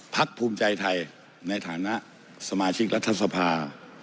ภูมิใจไทยในฐานะสมาชิกรัฐสภา